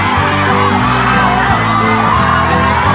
แม่งแม่ง